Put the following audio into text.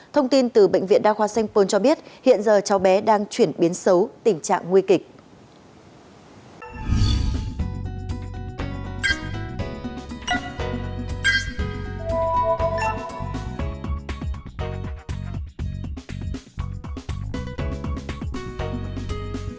thông tin từ bệnh viện đa khoa sanh pôn cho biết hiện giờ cháu bé đang chuyển biến xấu tình trạng nguy kịch